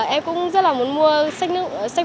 em cũng rất là muốn mua sách